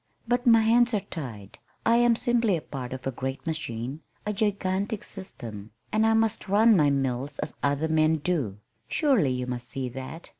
But my hands are tied. I am simply a part of a great machine a gigantic system, and I must run my mills as other men do. Surely you must see that.